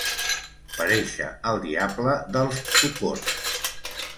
Parèixer el diable dels Socors.